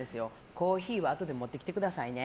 コーヒーはあとで持ってきてくださいね。